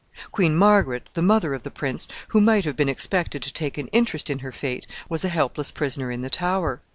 Queen Margaret, the mother of the prince, who might have been expected to take an interest in her fate, was a helpless prisoner in the Tower.